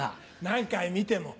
何回見ても。